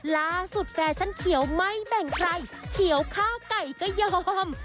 ลาสุดแฟชันเขียวไม่แบ่งใครเขียวฆ่าไก่ก็ยอม